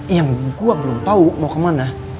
yang gua belum tau mau kemana